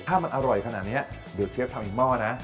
ถ้ามันอร่อยขนาดนี้เดี๋ยวเชฟทำอีกหม้อนะ